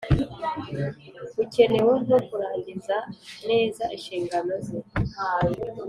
bukenewe bwo kurangiza neza inshingano ze